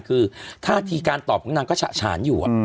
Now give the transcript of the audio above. คือท่าทีการตอบของนางก็ฉะฉานอยู่